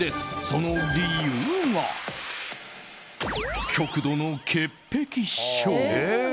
その理由が、極度の潔癖症。